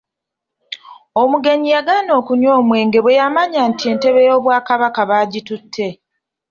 Omugenyi yagaana okunywa omwenge bweyamanya nti entebe y’Obwakabaka bagitutte.